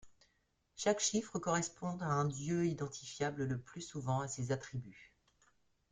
Chaque chiffre correspond à un dieu identifiable le plus souvent à ses attributs.